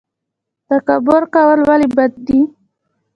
تکبر کول ولې بد دي؟